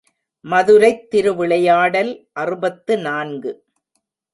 மதுரைத் திருவிளையாடல் அறுபத்து நான்கு.